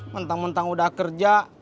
mentang mentang udah kerja